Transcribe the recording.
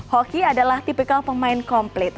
hoki adalah tipikal pemain komplit